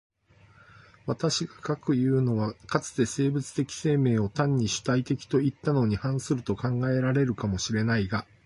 私が斯くいうのは、かつて生物的生命を単に主体的といったのに反すると考えられるかも知れないが、